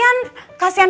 jangan jangan jangan